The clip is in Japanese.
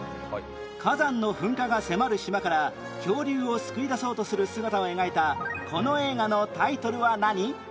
火山の噴火が迫る島から恐竜を救い出そうとする姿を描いたこの映画のタイトルは何？